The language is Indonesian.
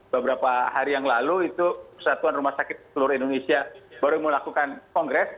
beberapa hari yang lalu itu satuan rumah sakit seluruh indonesia baru melakukan kongres